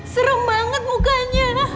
serem banget mukanya